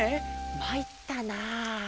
まいったな。